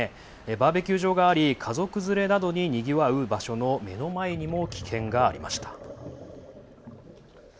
バーベキュー場があり家族連れなどでにぎわう場所の目の前にも危険がありました。